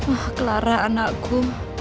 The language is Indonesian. ah clara anakku